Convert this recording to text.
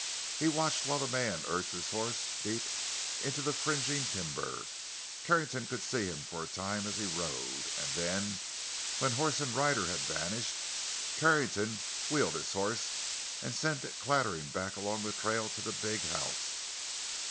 He watched while the man urged his horse deep into the fringing timber. Carrington could see him for a time as he rode, and then, when horse and rider had vanished, Carrington wheeled his horse and sent it clattering back along the trail to the big house.